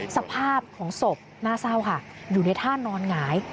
สภาพของศพน่าเศร้าค่ะอยู่ในท่านอนหงาย